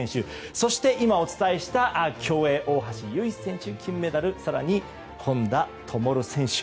そして今、お伝えした競泳、大橋悠依選手、金メダル更に本多灯選手。